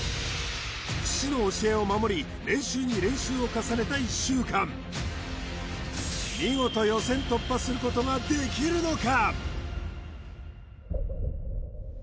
父の教えを守り練習に練習を重ねた１週間見事予選突破することができるのか？